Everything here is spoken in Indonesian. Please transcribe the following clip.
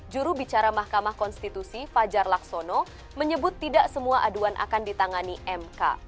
juru bicara mahkamah konstitusi fajar laksono menyebut tidak semua aduan akan ditangani mk